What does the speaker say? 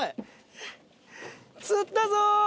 釣ったぞ！